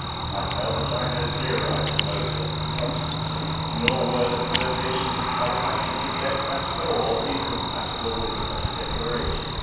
I felt that I had a clear right to boast of constancy; nor were the flirtations of Halifax and Quebec at all incompatible with such a declaration.